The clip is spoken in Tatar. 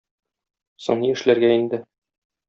Соң ни эшләргә инде?